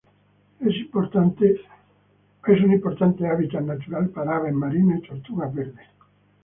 Es un importante hábitat natural para aves marinas y tortugas verdes.